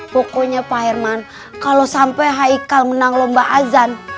pokoknya pak herman kalau sampai haikal menang lomba azan